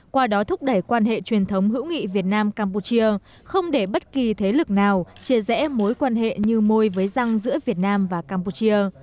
qua đó thúc đẩy quan hệ truyền thống hữu nghị việt nam campuchia không để bất kỳ thế lực nào chia rẽ mối quan hệ như môi với răng giữa việt nam và campuchia